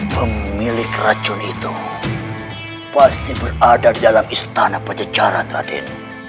pemilik racun itu pasti berada di dalam istana pencecaran raden